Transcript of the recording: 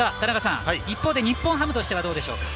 一方で日本ハムはどうでしょうか。